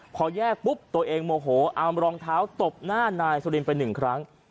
พอแยกปุ๊บตัวเองโมโหอามรองเท้าตบหน้านายสุรินไปหนึ่งครั้ง